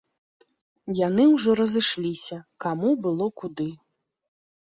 Яны ўжо разышліся, каму было куды.